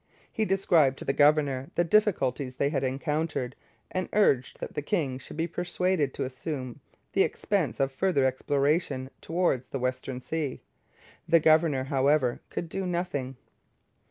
He described to the governor the difficulties they had encountered, and urged that the king should be persuaded to assume the expense of further exploration towards the Western Sea. The governor could, however, do nothing.